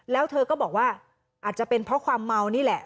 แล้วเธอก็บอกว่าอาจจะเป็นเพราะความเมานี่แหละ